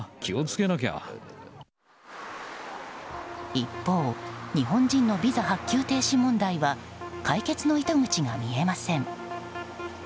一方、日本人のビザ発給停止問題は解決の糸口が見えません。